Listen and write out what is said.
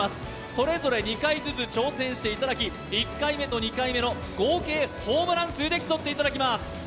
それぞれ２回ずつ挑戦していただき、１回目と２回目の合計ホームラン数で競っていただきます。